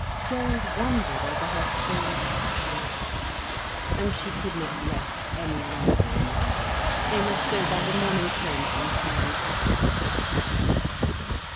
_" Gerald wondered over her strange passion. And she could not rest any longer in London. They must go by the morning train from Charing Cross.